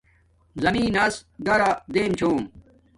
زمین نس گارا دیم چھوم